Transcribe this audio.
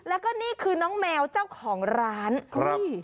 แล้วก็นี่คือน้องแมวเจ้าของร้านครับ